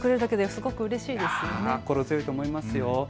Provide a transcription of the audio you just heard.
心強いと思いますよ。